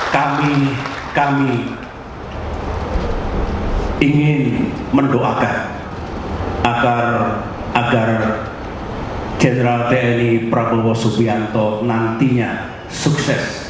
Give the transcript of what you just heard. kami kami ingin mendoakan agar jenderal tni prabowo subianto nantinya sukses